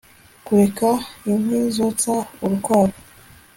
Kureka inkwi zotsa urukwavu